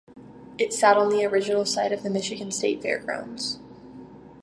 It sat on the original site of the Michigan State Fairgrounds.